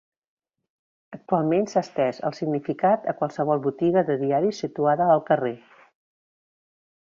Actualment s’ha estès el significat a qualsevol botiga de diaris situada al carrer.